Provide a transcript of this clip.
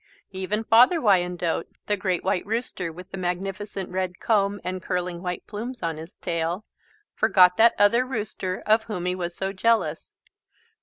Even Father Wyandotte, the great white rooster with the magnificent red comb and curling white plumes on his tail, forgot that other rooster of whom he was so jealous.